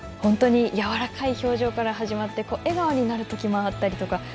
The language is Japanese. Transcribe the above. やわらかい表情から始まって笑顔になるときもあったりとか。